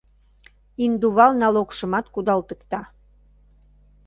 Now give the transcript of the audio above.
Индувал налогшымат кудалтыкта.